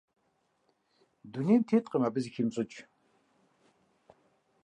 Дунейм теткъым абы зыхимыщӀыкӀ.